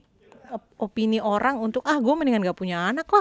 karena itu mungkin dari opini orang ah gue mendingan gak punya anak lah